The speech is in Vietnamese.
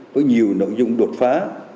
với nhiều nội dung đột phá